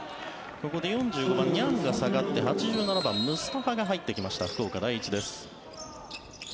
ここで４５番、ニャンが下がって８７番、ムスタファが入ってきました、福岡第一です。